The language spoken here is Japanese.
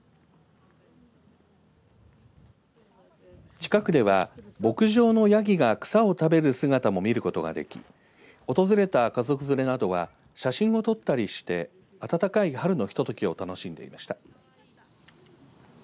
近くでは牧場のやぎが草を食べる姿も見ることができ訪れた家族連れなどは写真を撮ったりして暖かい春のひとときを楽しんでいました。